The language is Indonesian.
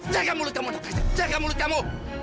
jaga mulut kamu jaga mulut kamu